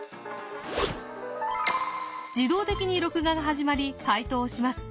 自動的に録画が始まり解答をします。